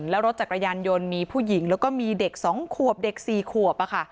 แล้วรถจักรยานยนต์มีผู้หญิงแล้วก็มีเด็ก๒ขวบเด็ก๔ขวบ